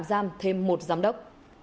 tạp giam thêm một giám đốc